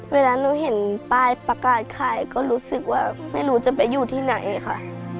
เวลาหนูเห็นป้ายประกาศขายก็รู้สึกว่าไม่รู้จะไปอยู่ที่ไหนค่ะ